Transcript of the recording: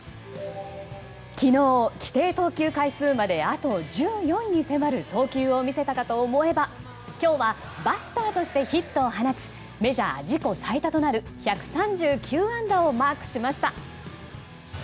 昨日、規定投球回数まであと１４に迫る投球を見せたかと思えば今日はバッターとしてヒットを放ちメジャー自己最多となる１３９安打をマークしました。